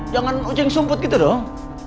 jangan kucing sumput gitu dong